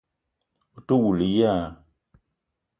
Ou te woul ya?